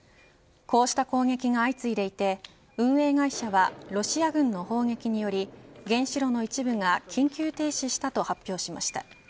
こうした攻撃が相次いでいて運営会社はロシア軍の砲撃により原子炉の一部が緊急停止したと発表しました。